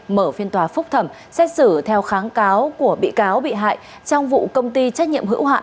mở phiên tòa phúc thẩm xét xử theo kháng cáo của bị cáo bị hại trong vụ công ty trách nhiệm hữu hạn